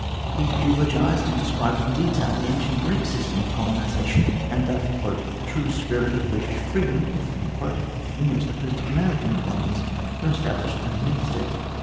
He eulogised and described in detail the ancient Greek system of colonisation and the "true spirit of British freedom" in which the first American colonies were established and administered.